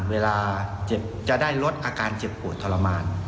เวลาเจ็บจะได้ลดอาการเจ็บปวดทรมาน